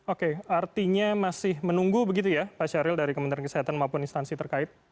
oke artinya masih menunggu begitu ya pak syahril dari kementerian kesehatan maupun instansi terkait